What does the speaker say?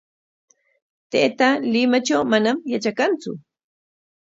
Taytaa Limatraw manam yatrakantsu.